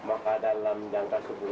apakah saya yakin